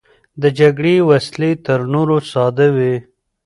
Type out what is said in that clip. د جګړې وسلې تر نورو ساده وې.